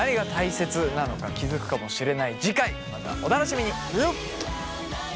次回またお楽しみに。